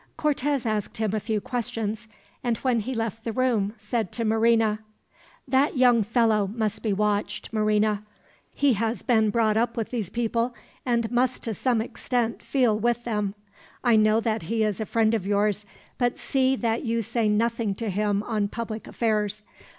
Cortez asked him a few questions, and when he left the room said to Marina: "That young fellow must be watched, Marina. He has been brought up with these people, and must to some extent feel with them. I know that he is a friend of yours, but see that you say nothing to him on public affairs.